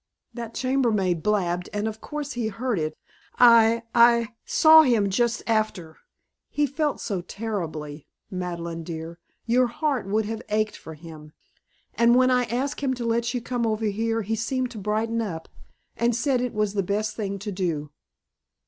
"That chambermaid blabbed, and of course he heard it. I I saw him just after. He felt so terribly, Madeleine dear! Your heart would have ached for him. And when I asked him to let you come over here he seemed to brighten up, and said it was the best thing to do."